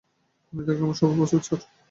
আপনি থাকলে আমরা সবাই প্রস্তুত, স্যার।